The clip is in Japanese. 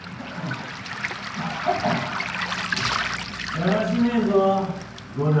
だらしねえぞ伍代。